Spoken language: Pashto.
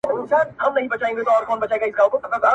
• چی یې ځانونه مرګي ته سپر کړل -